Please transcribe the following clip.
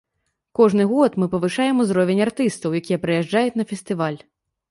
Кожны год мы павышаем ўзровень артыстаў, якія прыязджаюць на фестываль.